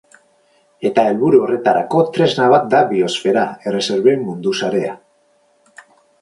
Eta helburu horretarako tresna bat da Biosfera Erreserben Mundu Sarea.